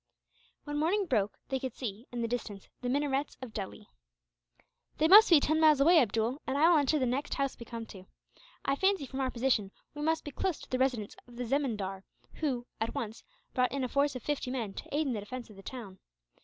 When morning broke they could see, in the distance, the minarets of Delhi. "They must be ten miles away, Abdool, and I will enter the next house we come to. I fancy, from our position, we must be close to the residence of the zemindar who, at once, brought in a force of fifty men to aid in the defence of the town.